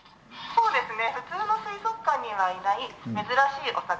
そうですね。